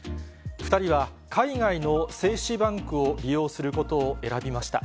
２人は海外の精子バンクを利用することを選びました。